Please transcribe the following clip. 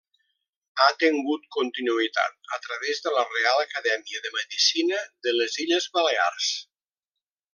Ha tengut continuïtat a través de la Reial Acadèmia de Medicina de les Illes Balears.